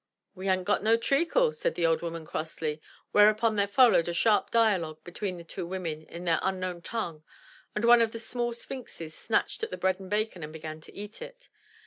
"We ha'n't got no treacle,'' said the old woman crossly, where upon there followed a sharp dialogue between the two women in their unknown tongue and one of the small sphinxes snatched at the bread and bacon and began to eat it.